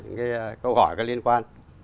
những câu hỏi liên quan